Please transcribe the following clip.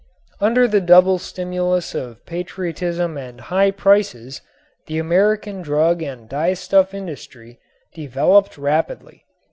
Under the double stimulus of patriotism and high prices the American drug and dyestuff industry developed rapidly.